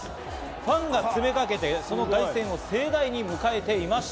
ファンがつめかけて、その凱旋を盛大に迎えていました。